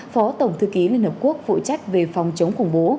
phó tổng thư ký liên hợp quốc phụ trách về phòng chống khủng bố